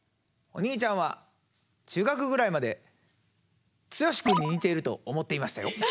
お兄ちゃんは中学ぐらいまで剛君に似ていると思っていましたよ。